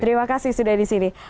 terima kasih sudah di sini